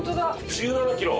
１７キロ！